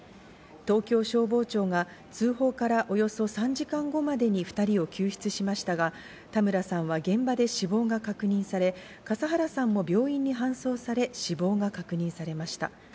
東京消防庁が通報からおよそ３時間後までに２人を救出しましたが、田村さんは現場で死亡が確認され、笠原さんも病院に搬送され、死亡が確認されました。